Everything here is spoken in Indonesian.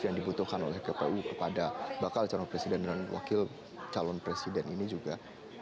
yang dibutuhkan oleh kpu kepada bakal calon presiden dan wakil calon presiden ini juga